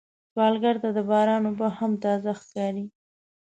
سوالګر ته د باران اوبه هم تازه ښکاري